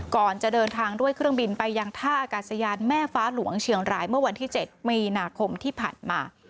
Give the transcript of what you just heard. ก่อนจะเดินทางด้วยเครื่องบินไปยังท่าอากาศยานแม่ฟ้าหลวงเชียงรายเมื่อวันที่๗มีนาคมที่ผ่านมา